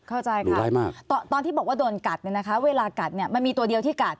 เข้าใจครับตอนที่บอกว่าโดนกัดเวลากัดมันมีตัวเดียวที่กัด